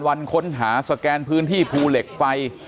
วันค้นหาสแกนพื้นที่ภูเหล็กไฟ